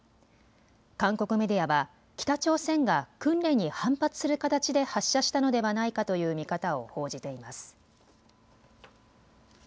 韓国メディアは北朝鮮が訓練に反発する形で発射したのではないかという見方を報じています。